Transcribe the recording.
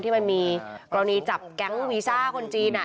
มันมีกรณีจับแก๊งวีซ่าคนจีน